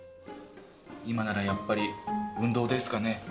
今ならやっぱり運動ですかね。